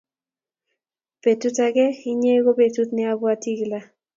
petut ak inye ko petut ne apwati kilaa